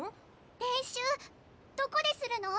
練習どこでするの？